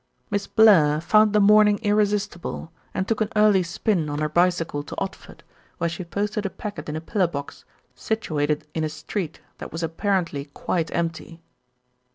"Miss Blair found the morning irresistible, and took an early spin on her bicycle to Odford, where she posted a packet in a pillar box situated in a street that was apparently quite empty."